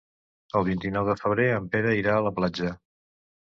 El vint-i-nou de febrer en Pere irà a la platja.